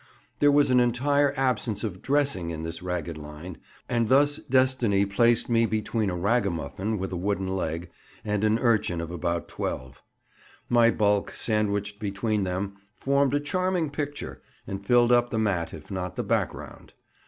There was an entire absence of "dressing" in this ragged line, and thus destiny placed me between a ragamuffin with a wooden leg and an urchin of about twelve. My bulk, sandwiched between them, formed a charming picture, and filled up the mat, if not the "background."